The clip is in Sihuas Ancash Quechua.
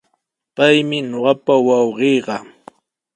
Paymi ñuqapa wawqiiqa.